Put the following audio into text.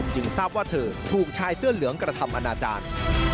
ทราบว่าเธอถูกชายเสื้อเหลืองกระทำอนาจารย์